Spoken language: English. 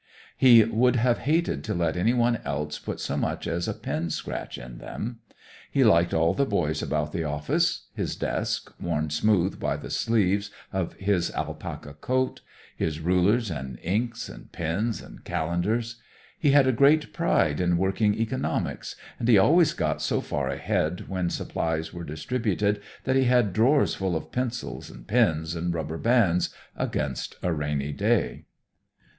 He would have hated to let any one else put so much as a pen scratch in them. He liked all the boys about the office; his desk, worn smooth by the sleeves of his alpaca coat; his rulers and inks and pens and calendars. He had a great pride in working economics, and he always got so far ahead when supplies were distributed that he had drawers full of pencils and pens and rubber bands against a rainy day.